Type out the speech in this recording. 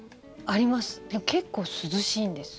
あります。